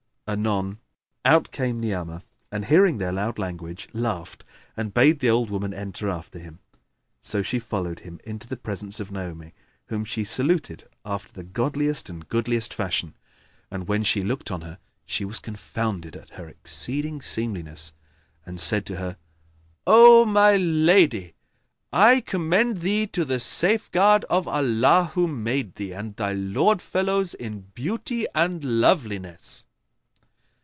Anon, out came Ni'amah and, hearing their loud language, laughed and bade the old woman enter after him. So she followed him into the presence of Naomi, whom she saluted after the godliest and goodliest fashion, and, when she looked on her, she was confounded at her exceeding seemliness and said to her, "O my lady, I commend thee to the safeguard of Allah, who made thee and thy lord fellows in beauty and loveliness!"